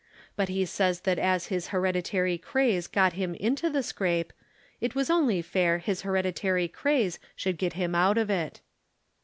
But he says that as his hereditary craze got him into the scrape, it was only fair his hereditary craze should get him out of it.